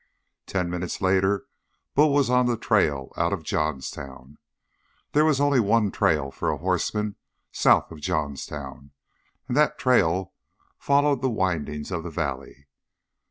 Ten minutes later Bull was on the trail out of Johnstown. There was only one trail for a horseman south of Johnstown, and that trail followed the windings of the valley.